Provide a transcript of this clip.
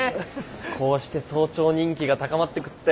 こうして総長人気が高まってくって！